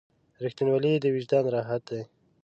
• رښتینولی د وجدان راحت دی.